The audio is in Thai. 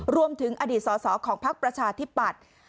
รวมถึงอดีตสอสอของพักประชาธิปัตย์